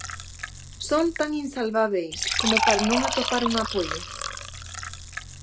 Son tan insalvábeis como para non atopar un apoio?